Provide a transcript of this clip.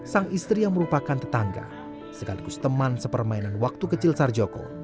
sang istri yang merupakan tetangga sekaligus teman sepermainan waktu kecil sarjoko